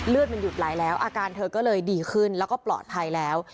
มันหยุดไหลแล้วอาการเธอก็เลยดีขึ้นแล้วก็ปลอดภัยแล้ว